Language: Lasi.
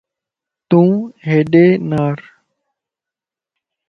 تون ھيڏي نار